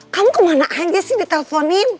kamu kemana aja sih diteleponin